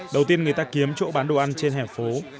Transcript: đầu tiên người ta kiếm chỗ bán đồ ăn trên hẻ phố